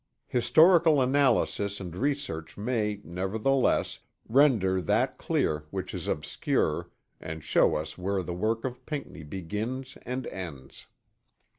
Historical analysis and research may, nevertheless, render that clear which is obscure and show us where the work of Pinckney begins and ends.